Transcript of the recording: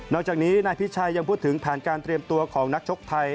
จากนี้นายพิชัยยังพูดถึงแผนการเตรียมตัวของนักชกไทย